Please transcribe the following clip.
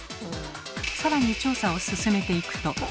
さらに調査を進めていくと。